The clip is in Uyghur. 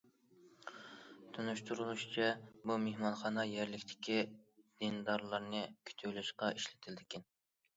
تونۇشتۇرۇلۇشىچە، بۇ مېھمانخانا يەرلىكتىكى دىندارلارنى كۈتۈۋېلىشقا ئىشلىتىلىدىكەن.